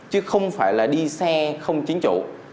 chứ không phải là đi xe không chính chủ